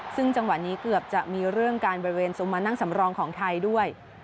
ซึ่งจังหวะนี้เกือบจะมีเรื่องการบริเวณซุมมานั่งสำรองของไทยด้วย